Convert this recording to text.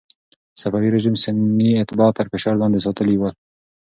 صفوي رژیم سني اتباع تر فشار لاندې ساتلي ول.